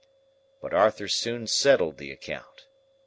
But Arthur soon settled the account.